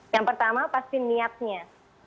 yang pertama pasti niatnya